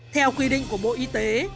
theo quy định của bộ y tế